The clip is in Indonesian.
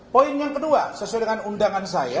poin yang kedua sesuai dengan undangan saya